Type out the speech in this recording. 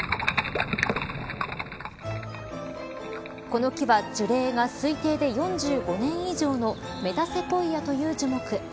この木は樹齢が推定で４５年以上のメタセコイアという樹木。